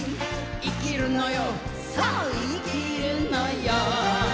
生きるのよ